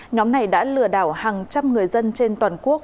nhóm này đã lừa đảo hàng trăm người dân trên toàn quốc